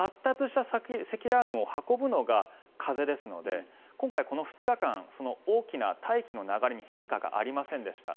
積乱雲を運ぶのが風ですので今回、この２日間大きな大気の流れに変化がありませんでした。